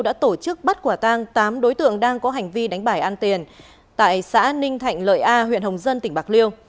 đã tổ chức bắt quả tang tám đối tượng đang có hành vi đánh bải an tiền tại xã ninh thạnh lợi a huyện hồng dân tỉnh bạc liêu